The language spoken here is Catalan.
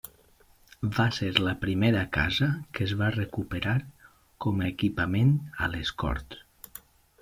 Va ser la primera casa que es va recuperar com a equipament a les Corts.